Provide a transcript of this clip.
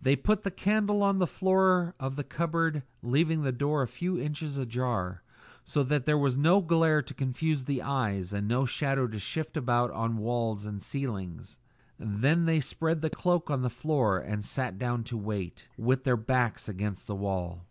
They put the candle on the floor of the cupboard, leaving the door a few inches ajar, so that there was no glare to confuse the eyes, and no shadow to shift about on walls and ceiling. Then they spread the cloak on the floor and sat down to wait, with their backs against the wall.